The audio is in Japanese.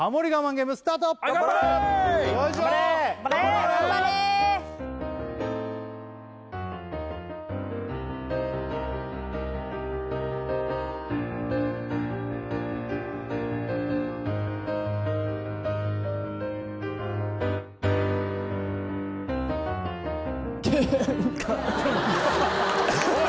ゲームスタート頑張れおい！